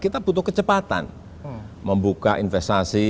kita butuh kecepatan membuka investasi